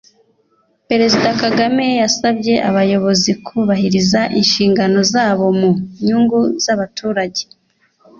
Perezida Kagame yasabye abayobozi kubahiriza inshingano zabo mu nyungu z’abaturage